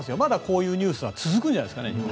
まだこういうニュース続くんじゃないですからね。